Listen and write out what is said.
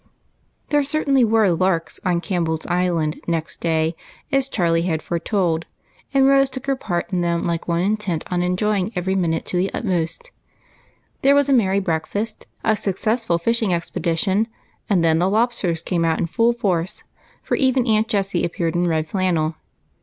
THERE certainly were "larks" on Campbell's Isl and next day, as Charlie had foretold, and Rose took her part in them like one intent on enjoy ing every minute to the utmost. There was a merry breakfast, a successful fishing expedition, and then the lobsters came out in full force, for even Aunt Jessie appeared in red flannel.